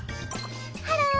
ハロー！